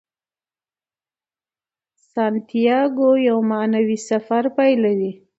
سانتیاګو یو معنوي سفر پیلوي.